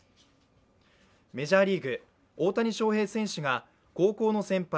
メジャーリーグ、大谷翔平選手が高校の先輩